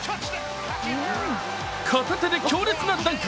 片手で強烈なダンク。